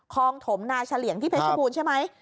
งถมนาเฉลี่ยงที่เพชรบูรณ์ใช่ไหม